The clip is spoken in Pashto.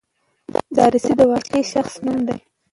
دارسي د واقعي شخص نوم و.